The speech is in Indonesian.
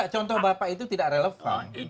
contoh bapak itu tidak relevan